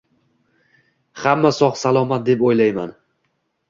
Hamma sog' salomat deb o'ylayman.